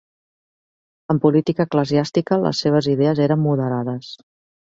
En política eclesiàstica, les seves idees eren moderades.